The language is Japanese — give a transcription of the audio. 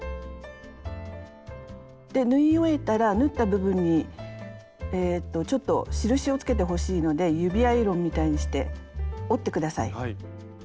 で縫い終えたら縫った部分にえっとちょっと印をつけてほしいので指アイロンみたいにして折って下さい。